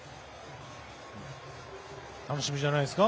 楽しみじゃないですか？